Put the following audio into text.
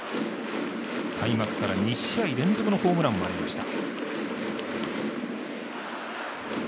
開幕から２試合連続のホームランもありました。